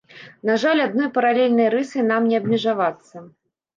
На жаль, адной паралельнай рысай нам не абмежавацца.